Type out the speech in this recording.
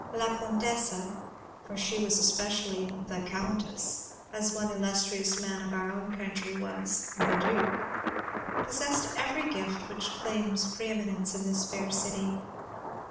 "La Contessa" for she was especially "the Countess," as one illustrious man of our own country was "the Duke" possessed every gift which claims preeminence in this fair city.